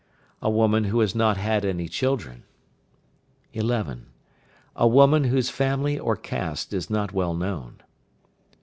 A woman who has not had any children. 11. A woman whose family or caste is not well known.